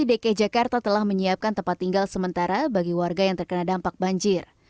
dki jakarta telah menyiapkan tempat tinggal sementara bagi warga yang terkena dampak banjir